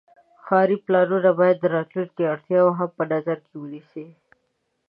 ښاري پلانونه باید د راتلونکي اړتیاوې هم په نظر کې ونیسي.